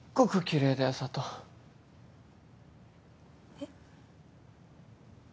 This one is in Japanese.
えっ？